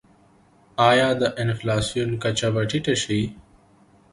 آیا د انفلاسیون کچه به ټیټه شي؟